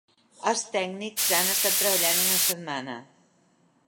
Els tècnics han estat treballant una setmana.